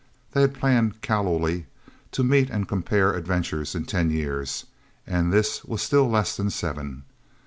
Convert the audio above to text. They had planned, callowly, to meet and compare adventures in ten years. And this was still less than seven...